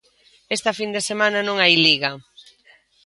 Esta fin de semana non hai Liga.